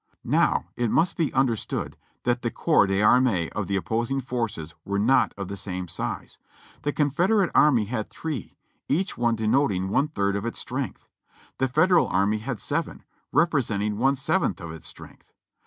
Now it must be understood that the corps d'armee of the opposing forces were not of the same size. The Confederate army had three, each one denoting one third of its strength. The Federal army had seven, repre senting one seventh of its strength.